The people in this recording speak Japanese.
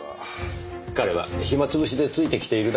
彼は暇つぶしでついてきているだけです。